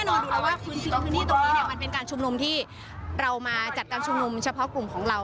แน่นอนดูแล้วว่าคืนสิ่งที่ตรงนี้มันเป็นการชุมนุมที่เรามาจัดการชุมนุมเฉพาะกลุ่มของเรา